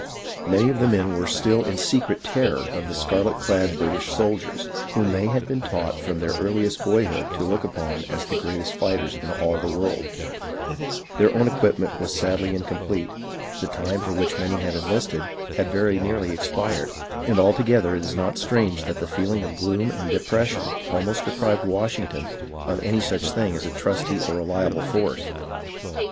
Many of the men were still in screat terror of the scarlet clad British 124 HISTORY OF THE AMERICAN REVOLUTION soldiers, whom they had been taught from their earliest boyhood to look upon as the greatest fighters in all the world ; their own equipment was sadly incomplete ; the time for which many had enlisted had very nearly ex pired ; and all together it is not strange that the f eeUng of gloom and depression almost deprived Washington of any such thing as a trusty or reliable force.